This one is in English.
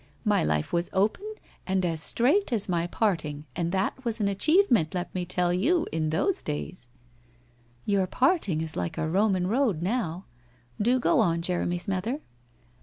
My life was open and as straight as my parting and that was an achievement, let me tell you, in those day,.' ' Your parting is like a Roman road now. Do go on, Jeremy's mother.'